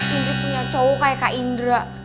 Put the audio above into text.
indri punya cowok kayak kak indra